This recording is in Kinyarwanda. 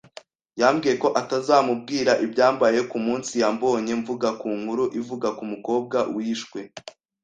Yambwiye ko atazamubwira ibyambayeho ku munsi yambonye mvuga ku nkuru ivuga ku mukobwa wishwe.